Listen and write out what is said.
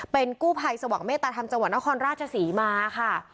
เป็นกู้ภัยสว่างเมตตาธรรมจังหวัดนครราชศรีมาค่ะ